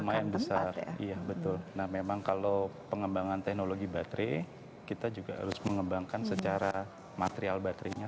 lumayan besar iya betul nah memang kalau pengembangan teknologi baterai kita juga harus mengembangkan secara material baterainya